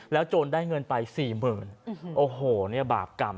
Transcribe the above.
แล้วโจรได้เงินไป๔๐๐๐๐บาปกรรม